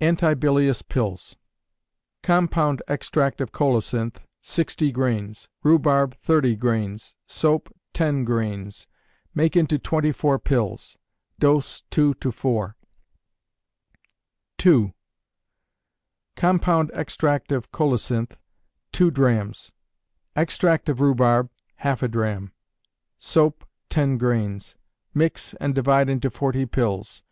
Anti Bilious Pills. Compound extract of colocynth, 60 grains; rhubarb, 30 grains; soap, 10 grains. Make into 24 pills. Dose 2 to 4. 2. Compound extract of colocynth, 2 drachms; extract of rhubarb, half a drachm; soap, 10 grains. Mix, and divide into 40 pills.